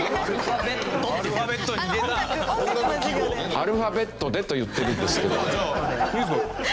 アルファベットでと言ってるんですけど。